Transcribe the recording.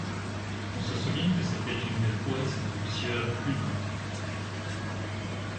On se souvient que c’était une des prouesses de sieur Clubin.